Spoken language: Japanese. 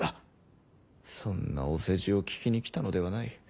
そんなお世辞を聞きに来たのではない。